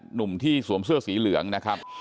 หนุ่มที่สวมเสื้อสีเหลืองนะครับ